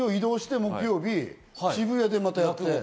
木曜日、渋谷でまた落語会。